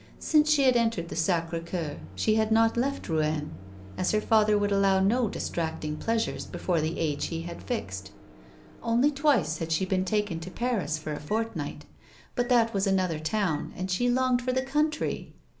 Since she had entered the Sacre Coour she had not left Kouen, as her father would allow no distracting pleasures before the 8 A WOMAN'S LIFE. age he had fixed. Only twice had she been taken to Paris for a fortnight, but that was another town, and she longed for the country.